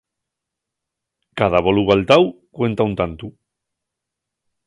Cada bolu valtáu cuenta un tantu.